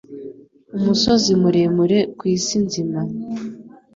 umusozi muremure ku isi nzima